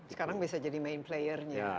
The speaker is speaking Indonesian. sekarang bisa jadi main player nya